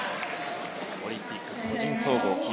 オリンピック個人総合金。